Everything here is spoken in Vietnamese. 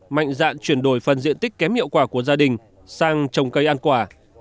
mạnh dạn chuyển đổi phần diện tích kém hiệu quả của gia đình sang trồng cây ăn quả